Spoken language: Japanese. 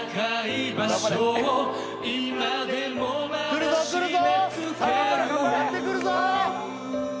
来るぞ、来るぞ！